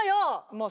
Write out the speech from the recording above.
まあ